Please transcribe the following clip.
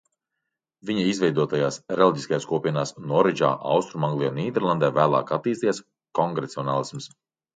Viņa izveidotajās reliģiskajās kopienās Noridžā, Austrumanglijā un Nīderlandē vēlāk attīstījās kongregacionālisms.